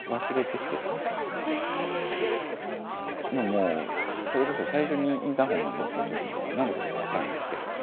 もうそれこそ最初にインターホンが鳴った時なんか何のことか分かんなくて。